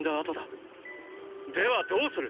ではどうする？